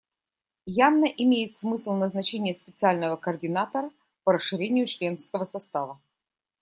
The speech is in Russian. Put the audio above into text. Явно имеет смысл назначение специального координатора по расширению членского состава.